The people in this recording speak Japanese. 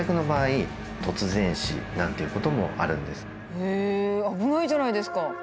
ええ危ないじゃないですか。